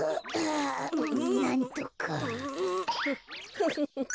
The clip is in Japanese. フフフ。